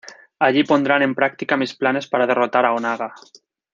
Allí pondrán en práctica mis planes para derrotar a Onaga.